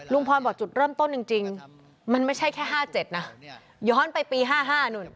พรบอกจุดเริ่มต้นจริงมันไม่ใช่แค่๕๗นะย้อนไปปี๕๕นู่น